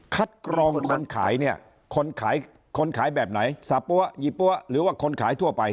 กรองคนขายเนี่ยคนขายคนขายแบบไหนสาปั๊วยี่ปั้วหรือว่าคนขายทั่วไป